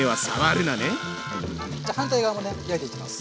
じゃ反対側もね焼いていきます。